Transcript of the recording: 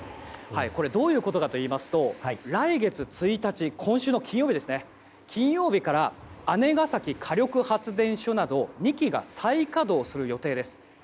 どういうことかといいますと来月１日今週の金曜日から姉崎火力発電所など２基が再稼働する予定です。